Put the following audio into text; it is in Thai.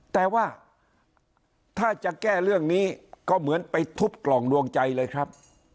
แต่ว่าถ้าจะแก้เรื่องนี้ก็เหมือนไปทุบกล่องดวงใจเลยครับ